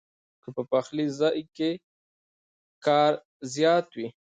کۀ پۀ پخلي ځائے کښې کار زيات وي